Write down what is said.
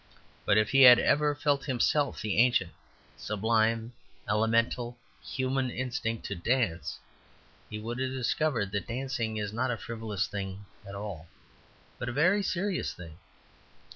But if he had ever felt himself the ancient, sublime, elemental, human instinct to dance, he would have discovered that dancing is not a frivolous thing at all, but a very serious thing.